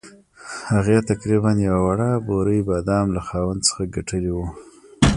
هغې تقریباً یوه وړه بورۍ بادام له خاوند څخه ګټلي وو.